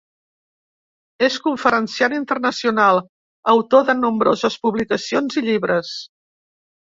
És conferenciant internacional, autor de nombroses publicacions i llibres.